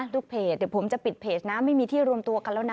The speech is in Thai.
เพจเดี๋ยวผมจะปิดเพจนะไม่มีที่รวมตัวกันแล้วนะ